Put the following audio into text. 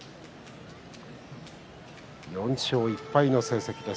４勝１敗の成績です